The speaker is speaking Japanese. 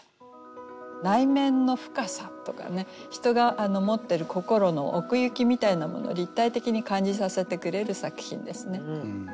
人が持ってる心の奥行きみたいなもの立体的に感じさせてくれる作品ですね。